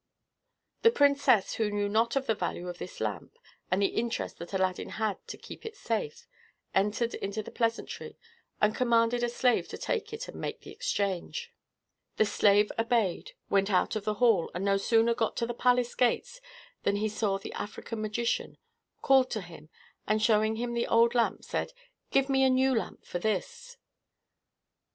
The princess, who knew not the value of this lamp, and the interest that Aladdin had to keep it safe, entered into the pleasantry, and commanded a slave to take it and make the exchange. The slave obeyed, went out of the hall, and no sooner got to the palace gates than he saw the African magician, called to him, and, showing him the old lamp, said, "Give me a new lamp for this."